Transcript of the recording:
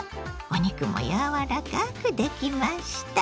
お肉もやわらかくできました。